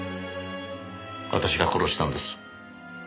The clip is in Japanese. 私が殺したんです。